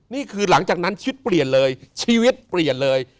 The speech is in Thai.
นี่คือหลังจากนั้นชีวิตเปลี่ยนเลยชีวิตเปลี่ยนเลย